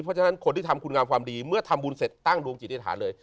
เพราะฉะนั้นคนที่ทำคุณงามความดีเมื่อทำบุญเสร็จตั้งดวงจิตฐานเลย